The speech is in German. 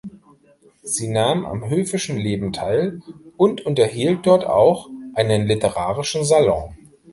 Sie nahm am höfischen Leben teil und unterhielt dort auch einen literarischen Salon.